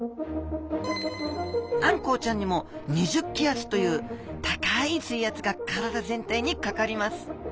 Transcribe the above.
あんこうちゃんにも２０気圧という高い水圧が体全体にかかります。